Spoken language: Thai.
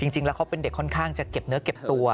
จริงแล้วเขาเป็นเด็กค่อนข้างจะเก็บเนื้อเก็บตัว